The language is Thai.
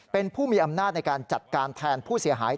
เป็นผู้มีอำนาจในการจัดการแทนผู้เสียหาย